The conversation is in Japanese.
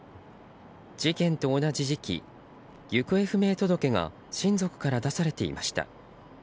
事件と同じ時期、行方不明届が親族から出されていました。